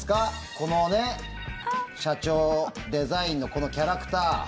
このね、社長デザインのこのキャラクター。